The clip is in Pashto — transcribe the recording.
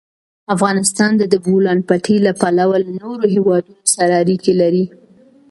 افغانستان د د بولان پټي له پلوه له نورو هېوادونو سره اړیکې لري.